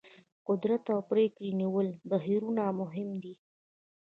قدرت او پرېکړې نیولو بهیرونه مهم دي.